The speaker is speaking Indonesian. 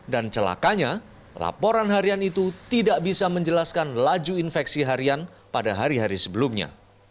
dan celakanya laporan harian itu tidak bisa menjelaskan laju infeksi harian pada hari hari sebelumnya